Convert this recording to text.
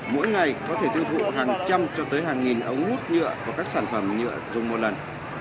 mỗi ngày có thể tiêu thụ hàng trăm cho tới hàng nghìn ống hút nhựa và các sản phẩm nhựa dùng một lần